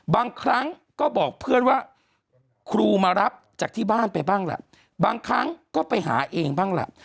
บางครั้งก็บอกเพื่อนว่าครูมารับจากที่บ้านไปบ้างแหละบางครั้งก็ไปหาเองบ้างแหละ